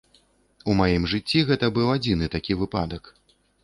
У маім жыцці гэта быў адзіны такі выпадак.